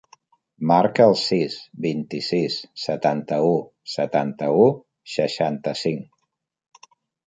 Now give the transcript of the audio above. Marca el sis, vint-i-sis, setanta-u, setanta-u, seixanta-cinc.